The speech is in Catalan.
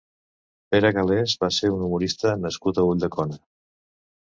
Pere Galès va ser un humanista nascut a Ulldecona.